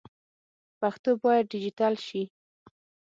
پښتو باید ډيجيټل سي.